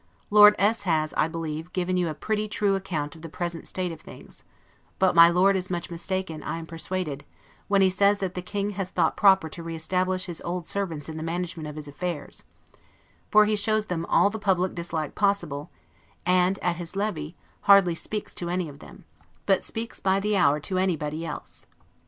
Lord S. has, I believe, given you a pretty true account of the present state of things; but my Lord is much mistaken, I am persuaded, when he says that THE KING HAS THOUGHT PROPER TO RE ESTABLISH HIS OLD SERVANTS IN THE MANAGEMENT OF HIS AFFAIRS; for he shows them all the public dislike possible; and, at his levee, hardly speaks to any of them; but speaks by the hour to anybody else.